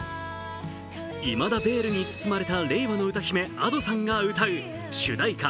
いまだベールに包まれた令和の歌姫・Ａｄｏさんが歌う主題歌